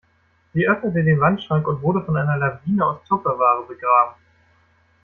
Sie öffnete den Wandschrank und wurde von einer Lawine aus Tupperware begraben.